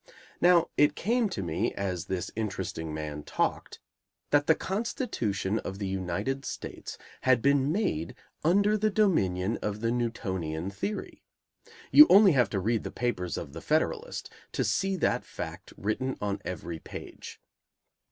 Now, it came to me, as this interesting man talked, that the Constitution of the United States had been made under the dominion of the Newtonian Theory. You have only to read the papers of The Federalist to see that fact written on every page.